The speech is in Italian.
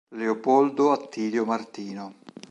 Leopoldo Attilio Martino